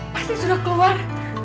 pasti sudah keluar